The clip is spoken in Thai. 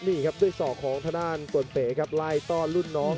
เสียส่อกของด้านตัวเตะไล่ต้อนลุ่นน้อง